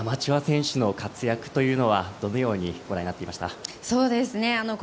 アマチュア選手の活躍というのはどのようにご覧になっていました。